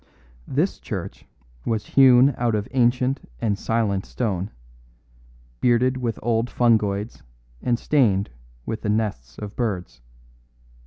This church was hewn out of ancient and silent stone, bearded with old fungoids and stained with the nests of birds.